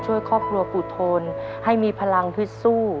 ช่วยครอบครัวกูโทนให้มีพลังเพื่อสู้